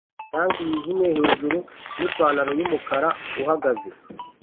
tank yijimye hejuru nipantaro yumukara uhagaze